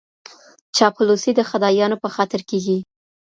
چاپلوسي د خدایانو په خاطر کیږي.